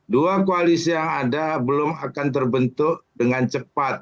dua koalisi yang ada belum akan terbentuk dengan cepat